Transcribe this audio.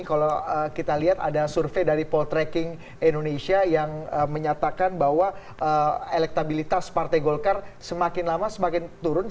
kalau kita lihat ada survei dari poltreking indonesia yang menyatakan bahwa elektabilitas partai golkar semakin lama semakin turun